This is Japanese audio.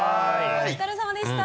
お疲れさまでした。